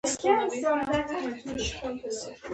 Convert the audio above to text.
باسواده نجونې د ګمرکونو په برخه کې کار کوي.